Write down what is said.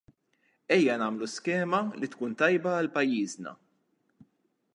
Ejja nagħmlu skema li tkun tajba għal pajjiżna.